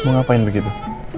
mau ngapain begitu